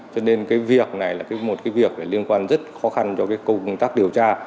cho nên cái việc này là một cái việc liên quan rất khó khăn cho cái công tác điều tra